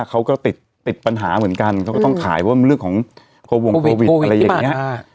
เขาก็ติดติดปัญหาเหมือนกันเขาก็ต้องขายว่ามันเรื่องของโควงโควิดอะไรอย่างนี้